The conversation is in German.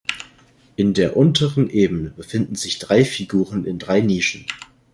In der unteren Ebene befinden sich drei Figuren in drei Nischen.